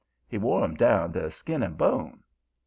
He wore 'em down to skin and bone.